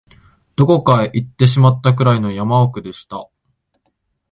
どこかへ行ってしまったくらいの山奥でした